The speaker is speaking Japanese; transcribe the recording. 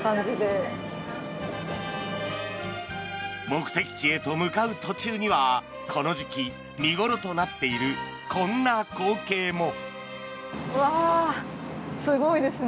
目的地へと向かう途中にはこの時期見頃となっているこんな光景も。